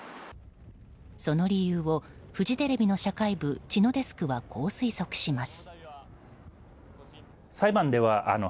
その理由を、フジテレビの社会部・知野デスクはこう推測します。